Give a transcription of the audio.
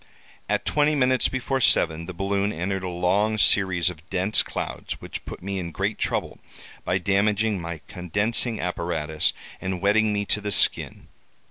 "At twenty minutes before seven, the balloon entered a long series of dense cloud, which put me to great trouble, by damaging my condensing apparatus and wetting me to the skin.